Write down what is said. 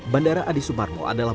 bandara adi sumarmo adalah